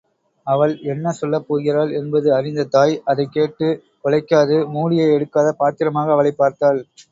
அவள் என்ன சொல்லப்போகிறாள் என்பது அறிந்த தாய் அதைக் கேட்டுத் கொலைக்காது மூடியை எடுக்காத பாத்திரமாக அவளைப் பார்த்தாள்.